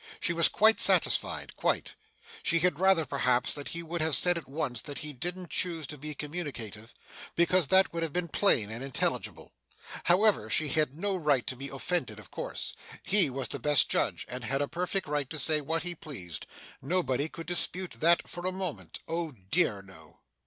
She was quite satisfied quite. She had rather perhaps that he would have said at once that he didn't choose to be communicative, because that would have been plain and intelligible. However, she had no right to be offended of course. He was the best judge, and had a perfect right to say what he pleased; nobody could dispute that for a moment. Oh dear, no!